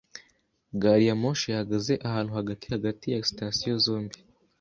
Gari ya moshi yahagaze ahantu hagati hagati ya sitasiyo zombi.